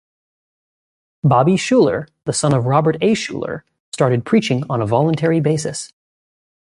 Bobby Schuller, the son of Robert A. Schuller, started preaching on a voluntary basis.